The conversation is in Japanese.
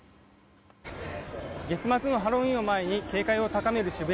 月末のハロウィーンを前に警戒を高める渋谷。